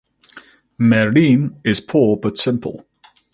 Mehreen is poor but simple.